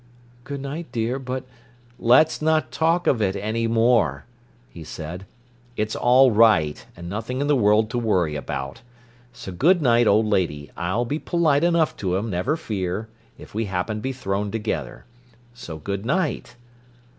"Good night, dear. But—" "Let's not talk of it any more," he said. "It's all right, and nothing in the world to worry about. So good night, old lady. I'll be polite enough to him, never fear—if we happen to be thrown together. So good night!"